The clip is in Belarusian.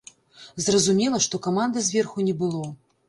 Зразумела, што каманды зверху не было.